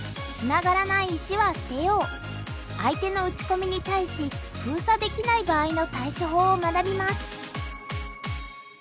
相手の打ち込みに対し封鎖できない場合の対処法を学びます。